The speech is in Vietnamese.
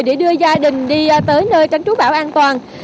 để đưa gia đình đi tới nơi tránh trú bão an toàn